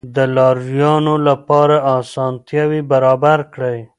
د لارويانو لپاره اسانتیاوې برابرې کړئ.